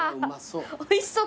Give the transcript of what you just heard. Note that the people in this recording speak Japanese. おいしそう。